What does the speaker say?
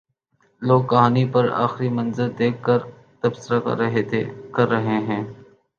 لوگ کہانی پر آخری منظر دیکھ کر تبصرہ کر رہے ہیں۔